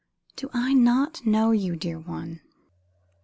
Do I not know you, dear one?"